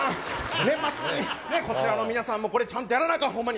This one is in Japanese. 年末に、こちらの皆さんも、これ、ちゃんとやらなあかん、ほんまに。